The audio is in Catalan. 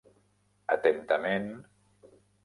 Atentament.